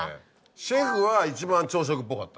シェフは一番朝食っぽかった。